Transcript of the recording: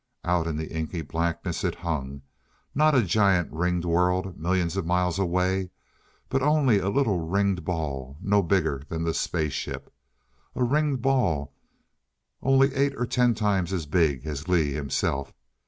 Out in the inky blackness it hung not a giant ringed world millions of miles away, but only a little ringed ball no bigger than the spaceship a ringed ball only eight or ten times as big as Lee himself.